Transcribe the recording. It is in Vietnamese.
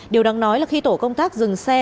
điều đáng nói là khi tổ công tác dừng xe